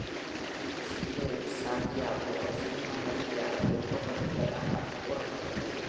சிரியோ H. Santiago cinema நடிகையாக ஊக்கப்படுத்தியதாக கூறப்படுகிறது.